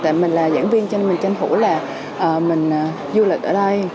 tại mình là giảng viên cho mình tranh thủ là mình du lịch ở đây